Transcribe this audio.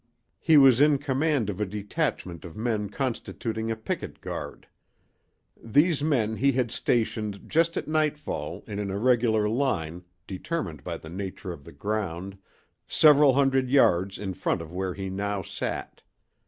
He was in command of a detachment of men constituting a picket guard. These men he had stationed just at nightfall in an irregular line, determined by the nature of the ground, several hundred yards in front of where he now sat.